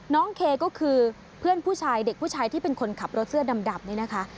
เคก็คือเพื่อนผู้ชายเด็กผู้ชายที่เป็นคนขับรถเสื้อดำนี่นะคะ